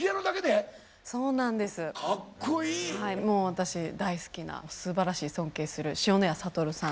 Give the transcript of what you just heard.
私大好きなすばらしい尊敬する塩谷哲さん。